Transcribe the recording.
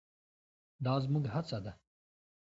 دا زموږ هڅه ده.